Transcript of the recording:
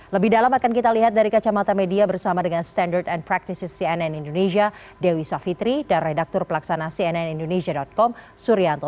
lebih dalam akan kita lihat dari kacamata media bersama dengan standard and practices cnn indonesia dewi savitri dan redaktur pelaksana cnn indonesia com suryanto